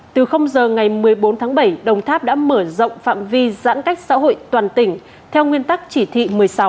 từ giờ ngày một mươi bốn tháng bảy đồng tháp đã mở rộng phạm vi giãn cách xã hội toàn tỉnh theo nguyên tắc chỉ thị một mươi sáu